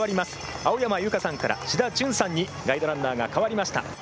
青山由佳さんから志田淳さんにガイドランナーが代わりました。